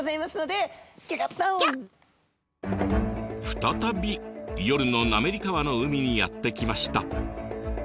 再び夜の滑川の海にやって来ました。